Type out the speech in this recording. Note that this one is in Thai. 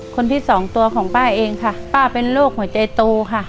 คนที่สองตัวของป้าเองค่ะป้าเป็นโรคหัวใจโตค่ะ